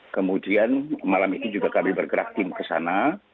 kemudian malam itu juga kami bergerak tim ke sana